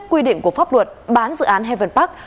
chấp quy định của pháp luật bán dự án heaven park